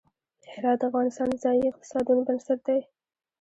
هرات د افغانستان د ځایي اقتصادونو بنسټ دی.